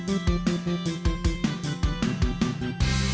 tapi selalu ku coba ku mengharumkanmu